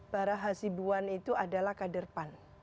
barah hasibuan itu adalah kader pan